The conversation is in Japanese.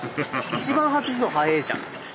一番外すのはえぇじゃん。